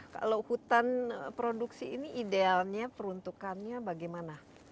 kalau hutan produksi ini idealnya peruntukannya bagaimana